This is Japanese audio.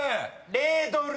「レードル」